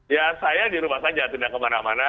ya saya di rumah saja tidak kemana mana